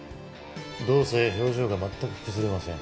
動作や表情が全く崩れません。